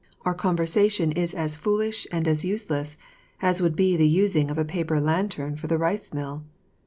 Our conversation is as foolish and as useless as would be the using of a paper lantern for the rice mill.